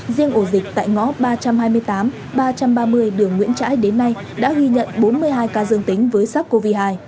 riêng ổ dịch tại ngõ ba trăm hai mươi tám ba trăm ba mươi đường nguyễn trãi đến nay đã ghi nhận bốn mươi hai ca dương tính với sars cov hai